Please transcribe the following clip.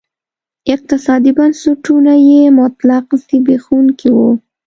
اقتصادي بنسټونه یې مطلق زبېښونکي وو.